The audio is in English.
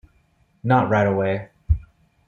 Not right away.